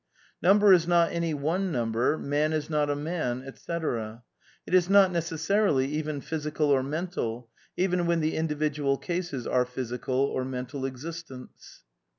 Number is not any one number, man is not a man, etc. It is not necessarily even physical or mental, even when the individual cases are physical or mental exist ents."